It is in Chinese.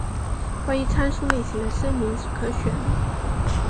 关于参数类型的声明是可选的。